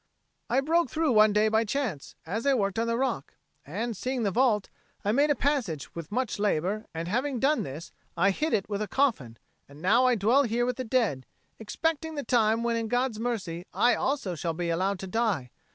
"I broke through one day by chance, as I worked on the rock; and, seeing the vault, I made a passage with much labour; and having done this, I hid it with a coffin; and now I dwell here with the dead, expecting the time when in God's mercy I also shall be allowed to die.